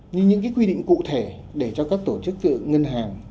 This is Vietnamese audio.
như những cái quy định cụ thể để cho các tổ chức ngân hàng